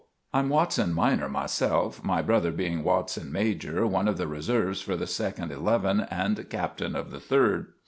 I'm Watson minor myself, my brother being Watson major, one of the reserves for the second eleven and captain of the third.